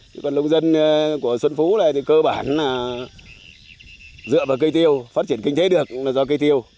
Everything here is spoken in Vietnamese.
chứ còn nông dân của xuân phú này thì cơ bản là dựa vào cây tiêu phát triển kinh tế được là do cây tiêu